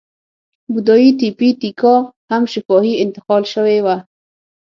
بودایي تیپي تیکا هم شفاهي انتقال شوې وه.